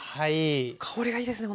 香りがいいですね